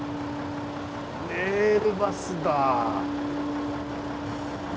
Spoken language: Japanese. レールバスだ。